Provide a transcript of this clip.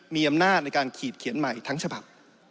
มีอำนาจในการขีดเขียนใหม่ทั้งฉบับ